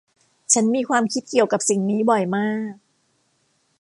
ฉันมีความคิดเกี่ยวกับสิ่งนี้บ่อยมาก